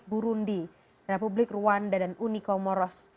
republik burundi republik ruanda dan unicomoros